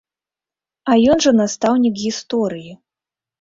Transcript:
А ён жа настаўнік гісторыі.